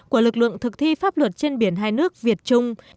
của lực lượng thực thi pháp luật trên biển hai nước việt trung